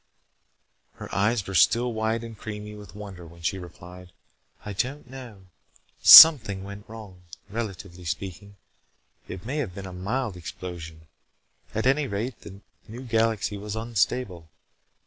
Her eyes were still wide and creamy with wonder when she replied. "I don't know. Something went wrong. Relatively speaking, it may have been a mild explosion. At any rate, that new galaxy was unstable.